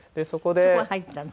そこへ入ったの？